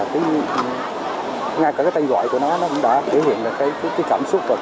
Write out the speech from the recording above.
thì ngay cả cái tay gọi của nó nó cũng đã thể hiện được cái cảm xúc và cái khung bậc của đại dịch covid